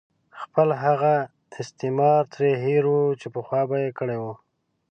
خپل هغه استثمار ترې هېر وو چې پخوا یې کړې وه.